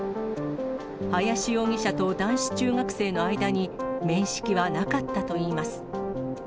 林容疑者と男子中学生の間に面識はなかったといいます。